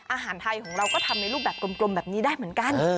อาหารไทยของเราก็ทำในรูปแบบกลมแบบนี้ได้เหมือนกัน